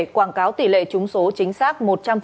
quảng cáo tỷ lệ chúng số chính xác một trăm linh